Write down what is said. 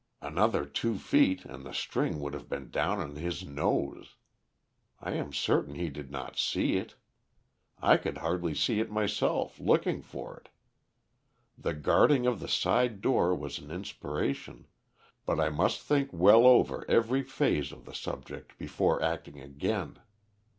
Another two feet and the string would have been down on his nose. I am certain he did not see it; I could hardly see it myself, looking for it. The guarding of the side door was an inspiration. But I must think well over every phase of the subject before acting again.